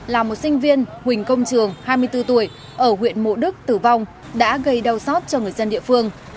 là một sinh viên huỳnh công trường hai mươi bốn tuổi ở huyện mộ đức tử vong đã gây đau xót cho người dân địa phương